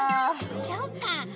そっか。